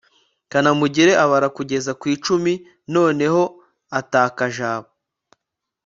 kanamugire abara kugeza ku icumi noneho ataka jabo